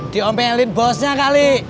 diomelin bosnya kali